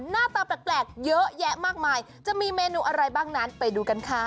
หน้าตาแปลกเยอะแยะมากมายจะมีเมนูอะไรบ้างนั้นไปดูกันค่ะ